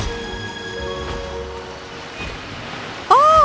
hei lihat itu rudolph